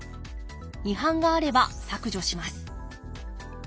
違反があれば削除します。